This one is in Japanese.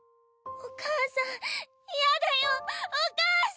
お母さん嫌だよお母さん！